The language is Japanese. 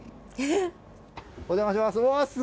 お邪魔します。